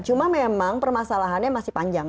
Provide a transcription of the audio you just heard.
cuma memang permasalahannya masih panjang